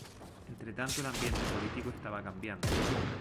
Entretanto el ambiente político estaba cambiando.